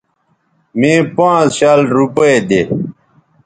مے پانز شل روپے دے